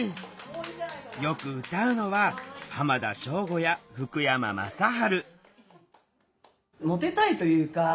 よく歌うのは浜田省吾や福山雅治